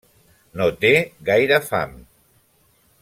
No té gaire fam.